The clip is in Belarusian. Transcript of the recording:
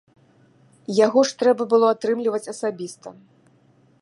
Яго ж трэба было атрымліваць асабіста.